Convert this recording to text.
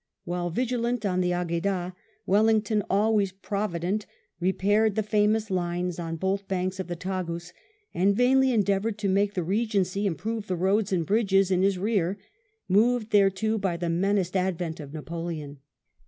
While vigil ant on the Agueda, Wellington, always provident^ re paired the famous Lines on both banks of the Tagus, and vainly endeavoured to make the Eegency improve the roads and bridges in his rear, moved thereto by the menaced advent of Napoleon.